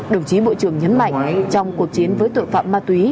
đồng chí bộ trưởng nhấn mạnh trong cuộc chiến với tội phạm ma túy